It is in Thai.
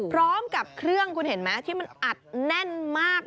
พร้อมกับเครื่องคุณเห็นไหมที่มันอัดแน่นมาก